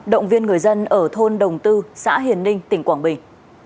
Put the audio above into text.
động viên người dân ở thôn đồng tư xã hiền ninh tỉnh quảng bình